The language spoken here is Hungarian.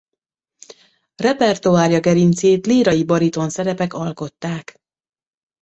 Repertoárja gerincét lírai bariton szerepek alkották.